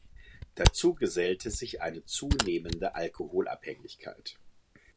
Dazu gesellte sich eine zunehmende Alkoholabhängigkeit.